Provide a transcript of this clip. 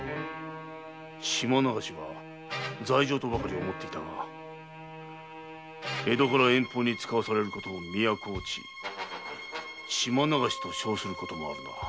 “島流し”は罪状とばかり思っていたが江戸から遠方に遣わされることを“都落ち”“島流し”とも称するな。